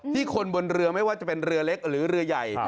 คนบนเรือไม่ว่าจะเป็นเรือเล็กหรือเรือใหญ่